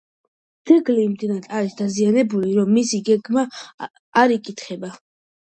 ძეგლი იმდენად არის დაზიანებული, რომ მისი გეგმა არ იკითხება.